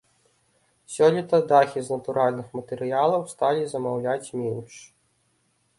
Сёлета дахі з натуральных матэрыялаў сталі замаўляць менш.